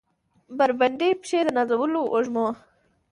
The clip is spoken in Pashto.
بربنډې پښې د نازولو وږمو